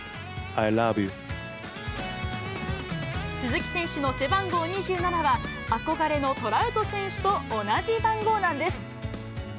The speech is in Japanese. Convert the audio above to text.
鈴木選手の背番号２７は、憧れのトラウト選手と同じ番号なんです。